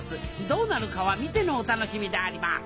どうなるかは見てのお楽しみであります。